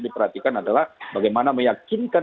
diperhatikan adalah bagaimana meyakinkan